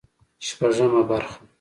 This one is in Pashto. شپږمه برخه